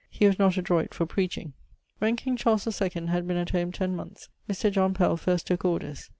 He was not adroit for preaching. When King Charles II had been at home ten months, Mr. John Pell first tooke Orders.